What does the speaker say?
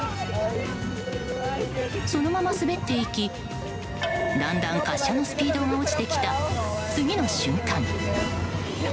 そのまま滑っていき、だんだん滑車のスピードが落ちてきた次の瞬間。